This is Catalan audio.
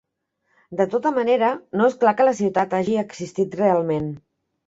De tota manera, no és clar que la ciutat hagi existit realment.